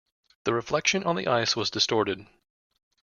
The reflection on the ice was distorted.